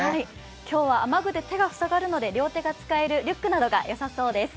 今日は雨具で手が塞がるので、両手が使えるリュックなどがよさそうです。